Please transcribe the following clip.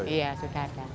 iya sudah ada